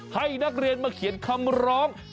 ให้นักเรียนมาเขียนคำร้อง